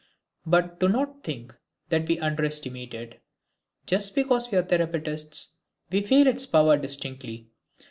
But do not think that we underestimate it. Just because we are therapeutists, we feel its power distinctly.